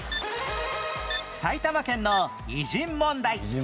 埼玉県の偉人問題